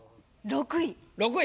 ６位。